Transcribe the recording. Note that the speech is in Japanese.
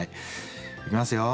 いきますよ。